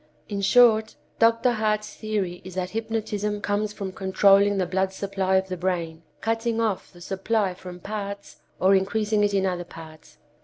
In short, Dr. Hart's theory is that hypnotism comes from controlling the blood supply of the brain, cutting off the supply from parts or increasing it in other parts.